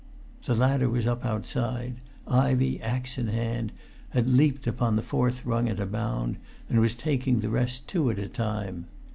The ladder was up outside. Ivey, axe in hand, had leapt upon the fourth rung at a bound, and was taking the rest two at a time.